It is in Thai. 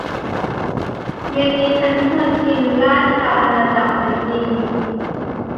เย็นนี้ฉันควรกินราชอาณาจักรไหนดี